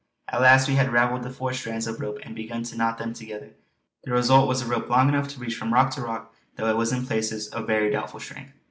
At last we had ravelled the four strands of the rope and I began to knot them together. The result was a rope long enough to reach from rock to rock, though it was in places of very doubtful strength.